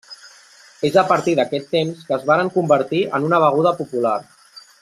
És a partir d'aquests temps que es varen convertir en una beguda popular.